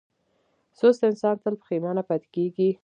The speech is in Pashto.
سست انسان تل پښېمانه پاتې کېږي.